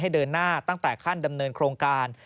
เดินหน้าตั้งแต่ขั้นดำเนินโครงการ